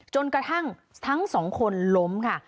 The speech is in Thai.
จนกระทั่งทั้งสองคนล้มค่ะ